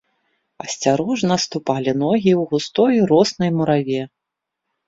Асцярожна ступалі ногі ў густой роснай мураве.